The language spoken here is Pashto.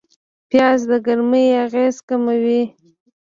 پیاز د ګرمۍ اغېز کموي